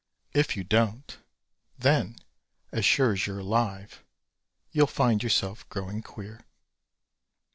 If you don't, then as sure as you're alive, you'll find yourself growing queer.